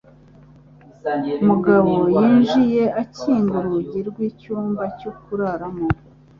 Mugabo yinjiye akinga urugi rw'icyumba cyo kuraramo.